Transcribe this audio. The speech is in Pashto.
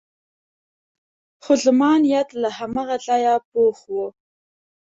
خو زما نیت له هماغه ځایه پخ و.